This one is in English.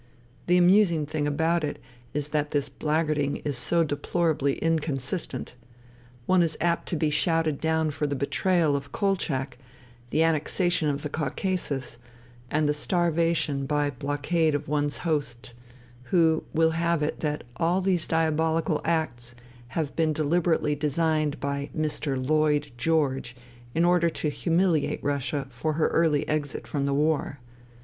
The amusing thing about it is that this blackguarding is so deplorably inconsistent. One is apt to be shouted down for the " betrayal " of Kolchak, the " annexation " of the Caucasus, and the starvation by blockade by one's host, who will have it that all these diabolical acts have been deliberately designed by Mr. Lloyd George in order to " humiliate " Russia for her early exit from the war.